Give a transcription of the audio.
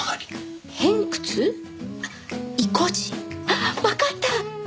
あっわかった！